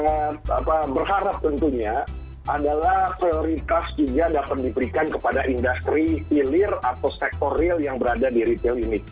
yang kami sangat berharap tentunya adalah prioritas juga dapat diberikan kepada industri filir atau sektoril yang berada di retail ini